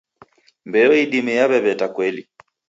Mbeo idime yaw'ew'eta kweli